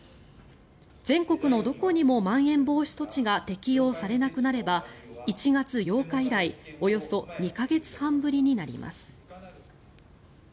全国のどこにもまん延防止措置が適用されなくなれば１月８日以来およそ２か月半ぶりになります。